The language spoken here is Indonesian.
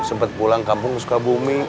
sempet pulang kampung suka bumi